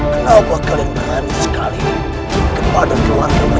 kenapa kalian berani sekali kepada keluarga